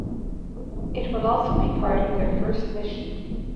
It will also be part of their first mission.